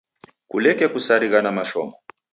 Kuleke kusarigha na mashomo.